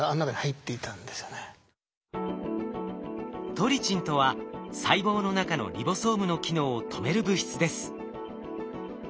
トリチンとは細胞の中のリボソームの機能を止める物質です。